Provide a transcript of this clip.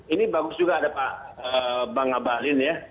ini bagus juga ada pak bang abalin ya